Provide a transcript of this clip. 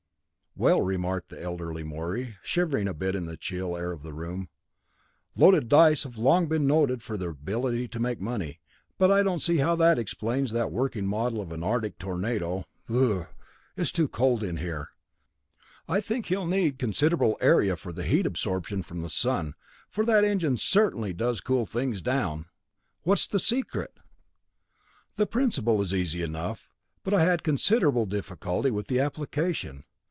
"Well," remarked the elderly Morey, shivering a bit in the chill air of the room, "loaded dice have long been noted for their ability to make money, but I don't see how that explains that working model of an Arctic tornado. Burr it's still too cold in here. I think he'll need considerable area for heat absorption from the sun, for that engine certainly does cool things down! What's the secret?" "The principle is easy enough, but I had considerable difficulty with the application.